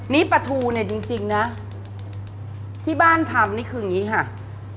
นี่ปลาทูเนี่ยจริงนะที่บ้านทำนี่คืออย่างนี้ค่ะ